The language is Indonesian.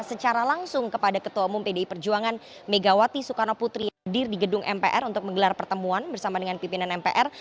secara langsung kepada ketua umum pdi perjuangan megawati soekarno putri di gedung mpr untuk menggelar pertemuan bersama dengan pimpinan mpr